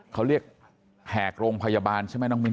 เขาเรียกแหกโรงพยาบาลใช่ไหมน้องมิ้น